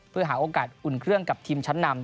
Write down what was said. เพื่อหาโอกาสอุ่นเครื่องกับทีมชั้นนำ